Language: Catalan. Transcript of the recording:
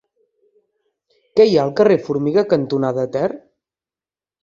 Què hi ha al carrer Formiga cantonada Ter?